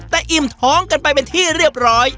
แต่อิ่มท้องกันไปเป็นที่เรียบร้อย